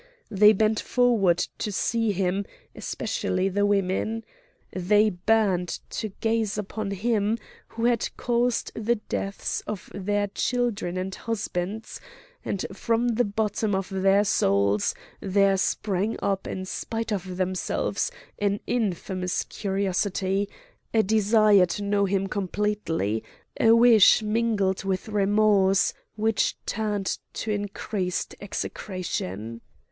They bent forward to see him, especially the women. They burned to gaze upon him who had caused the deaths of their children and husbands; and from the bottom of their souls there sprang up in spite of themselves an infamous curiosity, a desire to know him completely, a wish mingled with remorse which turned to increased execration.